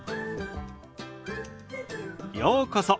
ようこそ。